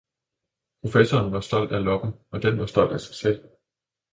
Professoren var stolt af loppen, og den var stolt af sig selv.